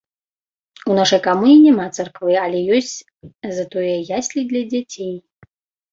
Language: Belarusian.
У нашай камуне няма царквы, але ёсць затое яслі для дзяцей.